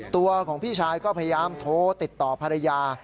ตัวของพี่ชายก็พยายามโทรติดต่อภรรยา